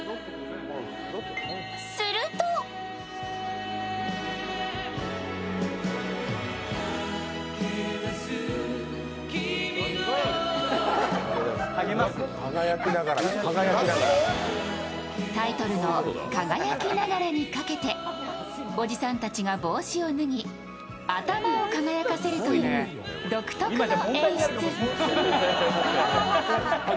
するとタイトルの「輝きながら」にかけておじさんたちが帽子を脱ぎ頭を輝かせるという独特の演出。